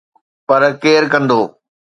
پر ڪير ڪندو؟